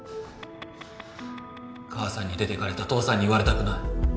母さんに出ていかれた父さんに言われたくない。